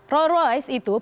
royal royce itu perusahaan